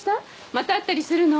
また会ったりするの？